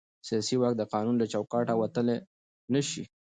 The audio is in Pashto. سیاسي واک د قانون له چوکاټه وتل نه شي